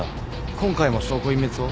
今回も証拠隠滅を？